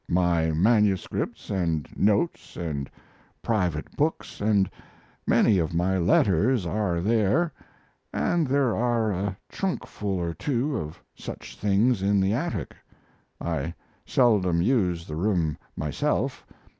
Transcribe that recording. My manuscripts and notes and private books and many of my letters are there, and there are a trunkful or two of such things in the attic. I seldom use the room myself.